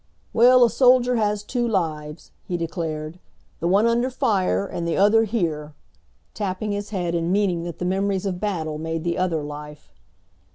"Well, a soldier has two lives," he declared. "The one under fire and the other here," tapping his head and meaning that the memories of battles made the other life.